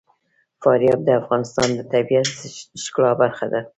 فاریاب د افغانستان د طبیعت د ښکلا برخه ده.